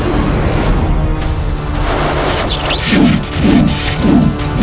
game ini racun sekali